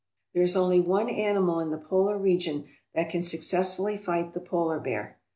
There is only one animal in the polar region that can successfully fight the polar bear.